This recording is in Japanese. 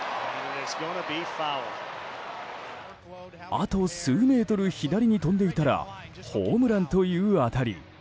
あと数メートル左に飛んでいたらホームランという当たり。